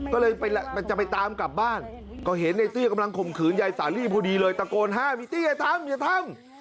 ก็เลยมันจะไปตามกลับบ้านก็เห็นในตี้กำลังข่มขืนยายสาลีพอดีเลยตะโกนห้ามพี่ตี้อย่าทำอย่าทำ